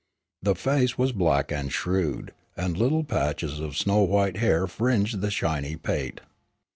The face was black and shrewd, and little patches of snow white hair fringed the shiny pate.